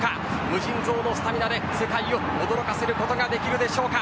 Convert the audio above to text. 無尽蔵のスタミナで世界を驚かせることができるでしょうか。